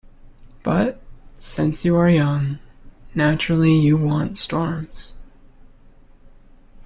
But, since you are young, naturally you want storms.